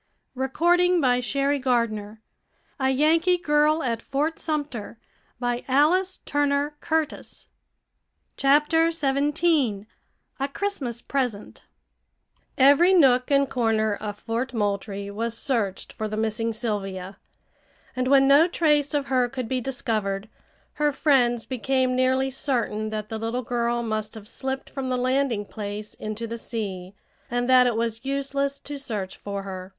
"I wish my father and mother could know I am at Fort Sumter," was her last waking thought. CHAPTER XVII A CHRISTMAS PRESENT Every nook and corner of Fort Moultrie was searched for the missing Sylvia, and when no trace of her could be discovered, her friends became nearly certain that the little girl must have slipped from the landing place into the sea, and that it was useless to search for her.